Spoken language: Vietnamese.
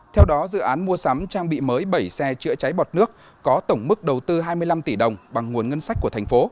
theo đó dự án mua sắm trang bị mới bảy xe chữa cháy bọt nước có tổng mức đầu tư hai mươi năm tỷ đồng bằng nguồn ngân sách của thành phố